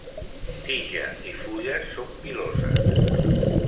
Tija i fulles són piloses.